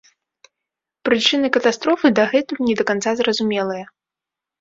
Прычыны катастрофы дагэтуль не да канца зразумелыя.